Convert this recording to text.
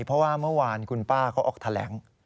เพราะว่าเมื่อวานคุณป้าเขาออกแถลง